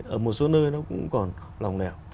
ở một số nơi cũng còn lòng lẻo